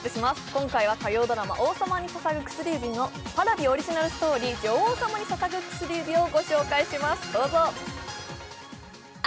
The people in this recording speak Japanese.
今回は火曜ドラマ「王様に捧ぐ薬指」のＰａｒａｖｉオリジナルストーリーの「女王様に捧ぐ薬指」をご紹介します。